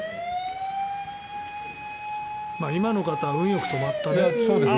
今の方は運よく止まったね。